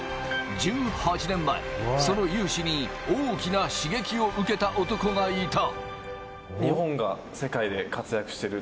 １８年前、その雄姿に大きな刺激を受けた男がいた。